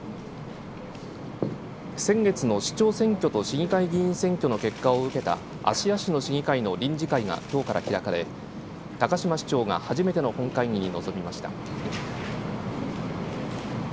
先月の市長選挙と市議会議員選挙の結果を受けた芦屋市の市議会の臨時会がきょうから開かれ高島市長が初めての本会議に臨みました。